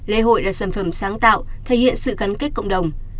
lễ hội là sản phẩm sáng tạo thể hiện sự gắn kết cộng đồng